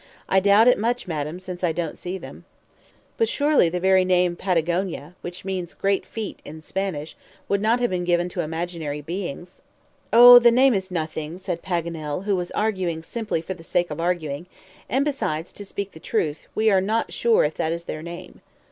"I doubt it much, madam, since I don't see them." "But surely the very name Patagonia, which means 'great feet' in Spanish, would not have been given to imaginary beings." "Oh, the name is nothing," said Paganel, who was arguing simply for the sake of arguing. "And besides, to speak the truth, we are not sure if that is their name."